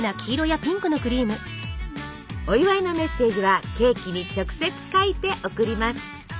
お祝いのメッセージはケーキに直接書いて贈ります！